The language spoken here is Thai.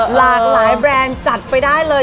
หลากหลายแบรนด์จัดไปได้เลย